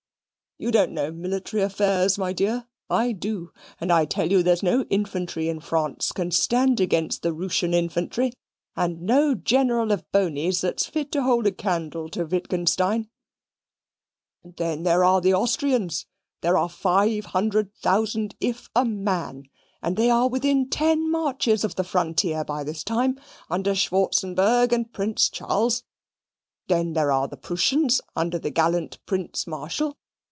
You don't know military affairs, my dear. I do, and I tell you there's no infantry in France can stand against Rooshian infantry, and no general of Boney's that's fit to hold a candle to Wittgenstein. Then there are the Austrians, they are five hundred thousand if a man, and they are within ten marches of the frontier by this time, under Schwartzenberg and Prince Charles. Then there are the Prooshians under the gallant Prince Marshal.